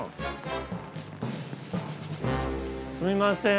すいません。